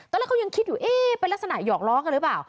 ตอนแรกเขายังคิดอยู่เอ๊ะเป็นลักษณะหยอกล้อกันหรือเปล่า